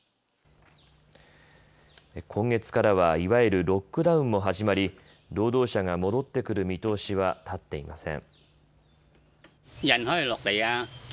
今月からは、いわゆるロックダウンも始まり労働者が戻ってくる見通しは立っていません。